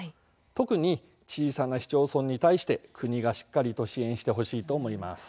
特に、小さな市町村に対して国がしっかりと支援してほしいと思います。